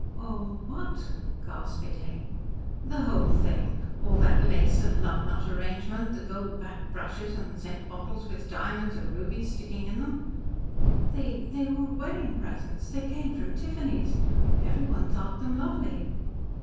"All wh what?" gaspingly. "The whole thing. All that lace and love knot arrangement, the gold backed brushes and scent bottles with diamonds and rubies sticking in them." "They they were wedding presents. They came from Tiffany's. Everyone thought them lovely."